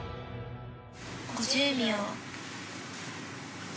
５０秒。